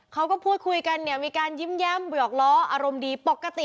เขาก็พูดคุยกันเนี่ยมีการยิ้มแย้มเบือกล้ออารมณ์ดีปกติ